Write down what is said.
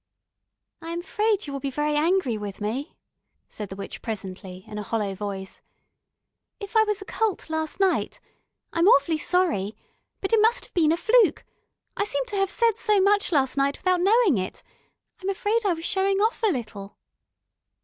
"I am afraid you will be very angry with me," said the witch presently in a hollow voice. "If I was occult last night I'm awfully sorry, but it must have been a fluke. I seem to have said so much last night without knowing it. I'm afraid I was showing off a little."